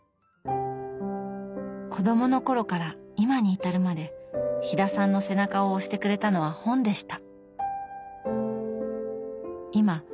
子供の頃から今に至るまで飛田さんの背中を押してくれたのは本でした。